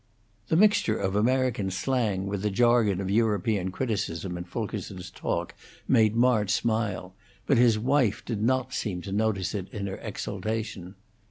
The mixture of American slang with the jargon of European criticism in Fulkerson's talk made March smile, but his wife did not seem to notice it in her exultation.